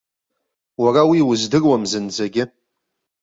Уара уи уздыруам зынӡагьы!